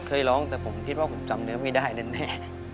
เคยร้องแต่ผมคิดว่าผมจำเนื้อไม่ได้แน่